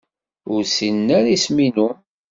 Ur ssinen ara isem-inu.